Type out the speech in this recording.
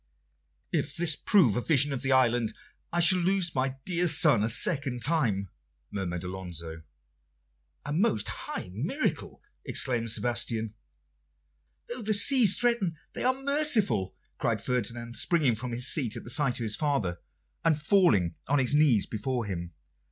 "If this prove a vision of the island, I shall lose my dear son a second time," murmured Alonso. "A most high miracle!" exclaimed Sebastian. "Though the seas threaten, they are merciful," cried Ferdinand, springing from his seat at the sight of his father, and falling on his knees before him.